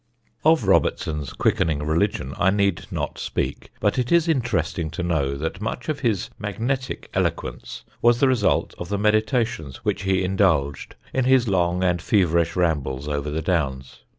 Of Robertson's quickening religion I need not speak; but it is interesting to know that much of his magnetic eloquence was the result of the meditations which he indulged in his long and feverish rambles over the Downs.